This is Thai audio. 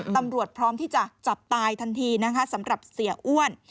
พร้อมที่จะจับตายทันทีนะคะสำหรับเสียอ้วน